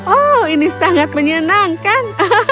oh ini sangat menyenangkan